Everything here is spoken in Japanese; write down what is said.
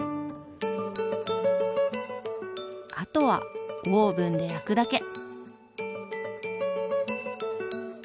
あとはオーブンで焼くだけ。